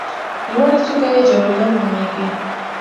لوړه څوکه یې جبل نور نومېږي.